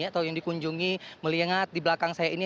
atau yang dikunjungi melihat di belakang saya ini